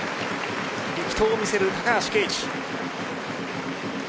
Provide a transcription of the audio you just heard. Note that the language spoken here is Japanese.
力投を見せる高橋奎二。